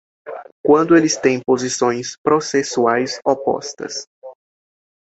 Quando eles têm posições processuais opostas.